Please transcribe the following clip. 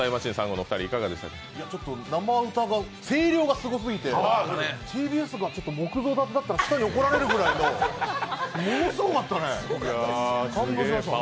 生歌が声量がすごすぎて、ＴＢＳが木造だったら怒られるぐらいのものすごかったね。